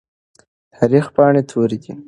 د تاريخ پاڼې تورې دي.